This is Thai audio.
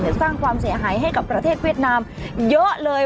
สร้างความเสียหายให้กับประเทศเวียดนามเยอะเลย